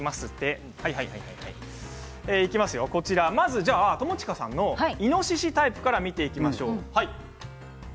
まず友近さんのイノシシタイプから見ていきましょう。